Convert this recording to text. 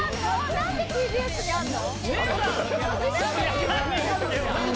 なんでＴＢＳにあんの？